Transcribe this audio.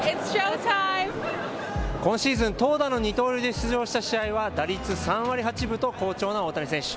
今シーズン投打の二刀流で出場した試合は打率３割８分と好調の大谷選手。